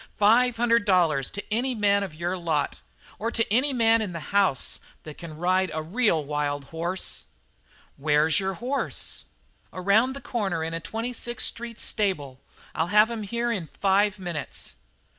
"Five hundred dollars to any man of your lot or to any man in this house that can ride a real wild horse." "Where's your horse?" "Around the corner in a Twenty sixth Street stable. I'll have him here in five minutes."